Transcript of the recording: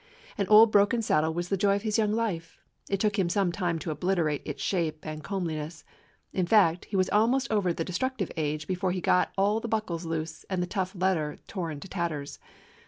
An old broken saddle was the joy of his young life. It took him some time to obliter ate its shape and comeliness. In fact, he was almost over the destructive age before he got all the buckles loose and the tough leather torn to tatters.